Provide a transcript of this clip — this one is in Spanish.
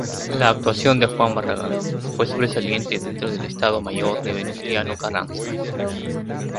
La actuación de Juan Barragán fue sobresaliente dentro del Estado Mayor de Venustiano Carranza.